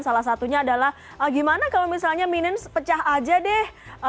salah satunya adalah gimana kalau misalnya minions pecah aja deh